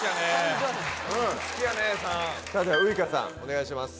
さあではウイカさんお願いします。